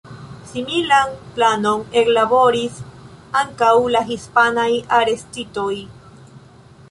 Similan planon ellaboris ankaŭ la hispanaj arestitoj.